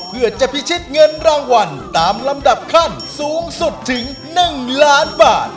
เพื่อจะพิชิตเงินรางวัลตามลำดับขั้นสูงสุดถึง๑ล้านบาท